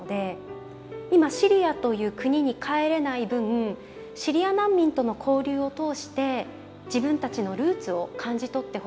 今シリアという国に帰れない分シリア難民との交流を通して自分たちのルーツを感じ取ってほしい。